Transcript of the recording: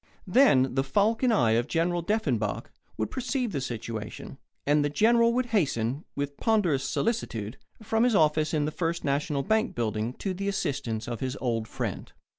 Then the falcon eye of General Deffenbaugh would perceive the situation, and the General would hasten, with ponderous solicitude, from his office in the First National Bank building to the assistance of his old friend.